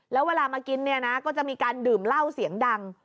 แล้วเวลามากินเนี่ยนะก็จะมีการดื่มเหล้าเสียงดัง